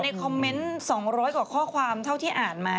คอมเมนต์๒๐๐กว่าข้อความเท่าที่อ่านมา